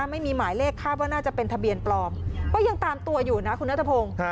ไม่มีหมายเลขคาดว่าน่าจะเป็นทะเบียนปลอมก็ยังตามตัวอยู่นะคุณนัทพงศ์